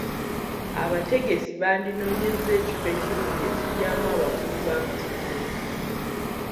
Abategesi bandinoonyezza ekifo ekirungi ekigyamu abakulu b'amasomero.